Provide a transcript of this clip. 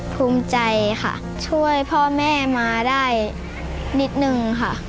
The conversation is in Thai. ภูมิใจค่ะช่วยพ่อแม่มาได้นิดนึงค่ะ